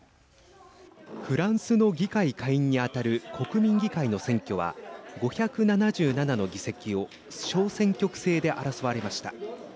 フランスの議会下院にあたる国民議会の選挙は５７７の議席を小選挙区制で争われました。